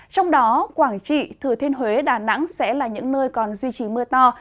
trong đó quảng trị thừa thiên huế đà nẵng sẽ là những nơi còn duy trì mưa to